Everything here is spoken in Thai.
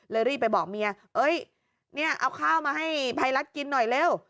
เลยรีบไปบอกเมียเอาข้าวมาให้ภัยรัฐกินหน่อยเร็ว